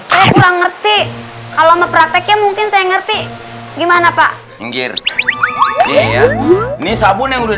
kurang ngerti kalau memprakteknya mungkin saya ngerti gimana pak nggir nih sabun yang udah